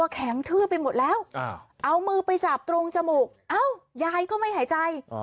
แข็งทืบไปหมดแล้วเอามือไปจับตรงจมูกเอ้ายายก็ไม่หายใจ